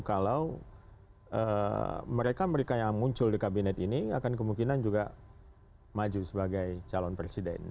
kalau mereka mereka yang muncul di kabinet ini akan kemungkinan juga maju sebagai calon presiden